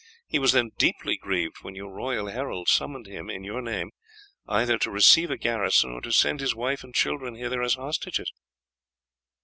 He was then deeply grieved when your royal herald summoned him, in your name, either to receive a garrison or to send his wife and children hither as hostages."